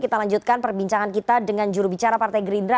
kita lanjutkan perbincangan kita dengan jurubicara partai gerindra